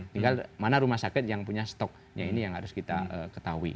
tinggal mana rumah sakit yang punya stoknya ini yang harus kita ketahui